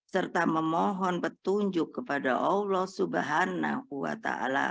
serta memohon petunjuk kepada allah swt